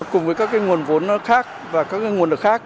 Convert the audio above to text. cùng với các nguồn vốn khác và các nguồn lực khác